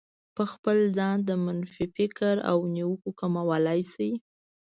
په خپل ځان د منفي فکر او نيوکو کمولای شئ.